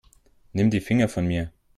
Nimm die Finger von mir.